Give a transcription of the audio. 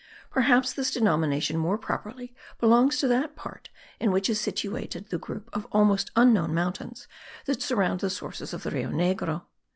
Perhaps this denomination more properly belongs to that part in which is situated the group of almost unknown mountains that surround the sources of the Rio Negro.